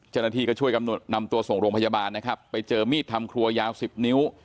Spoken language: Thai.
เจ้าหน้าที่ก็ช่วยกำหนดนำตัวส่งโรงพยาบาลนะครับไปเจอมีดทำครัวยาว๑๐นิ้ว